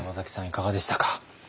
いかがでしたか？